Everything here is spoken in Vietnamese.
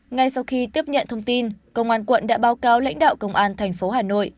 ngay sau khi tiếp nhận thông tin công an quận đã báo cáo lãnh đạo công an thành phố hà nội